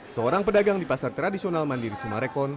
seorang pedagang di pasar tradisional mandiri sumarekon